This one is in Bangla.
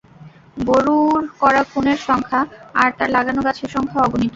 গুরুর করা খুনের সংখ্যা আর তার লাগানো গাছের সংখ্যা অগণিত!